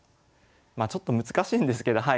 まあちょっと難しいんですけどはい